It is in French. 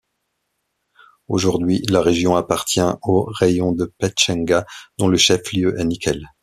Aujourd'hui la région appartient au raïon de Petchenga dont le chef-lieu est Nikel.